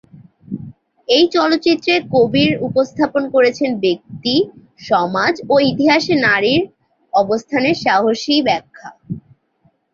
এই চলচ্চিত্রে কবির উপস্থাপন করেছেন ব্যক্তি, সমাজ ও ইতিহাসে নারীর অবস্থানের সাহসী ব্যাখ্যা।